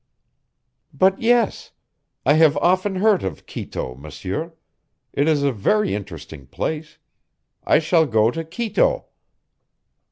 "But yes. I have often heard of Quito, monsieur. It is a very interesting place. I shall go to Quito."